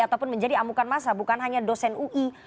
ataupun menjadi amukan masa bukan hanya dosen ui